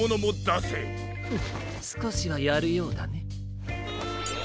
フッすこしはやるようだね。